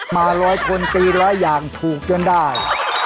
มาร้อยคนตีร้อยอย่างถูกจนได้